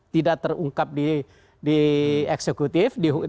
tidak terungkap di eksekutif